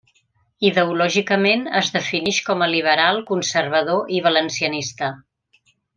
Ideològicament, es definix com a liberal, conservador i valencianista.